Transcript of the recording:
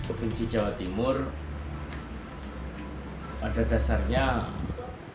indonesia jawa timur pada dasarnya memang belum membuat fatwa kemudian mula mui pusat mui berharap